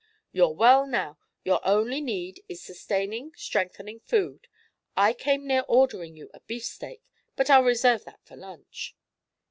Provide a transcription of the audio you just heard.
"You're well now. Your only need is sustaining, strengthening food. I came near ordering you a beefsteak, but I'll reserve that for lunch."